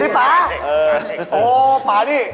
โอ้ป๊าดิ